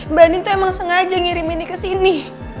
mbak nin tuh emang sengaja ngirim ini ke sini